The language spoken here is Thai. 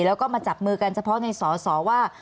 แล้วก็มาจับมือกันเฉพาะในสอสอว่า